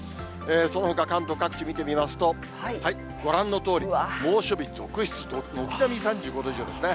そのほか関東各地見てみますと、ご覧のとおり、猛暑日続出、軒並み３５度以上ですね。